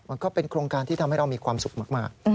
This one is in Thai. ก็เป็นโครงการที่ทำให้เรามีความสุขมาก